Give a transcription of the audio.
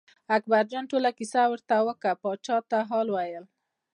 اکبرجان ټوله کیسه ورته وکړه پاچا ته حال ویل.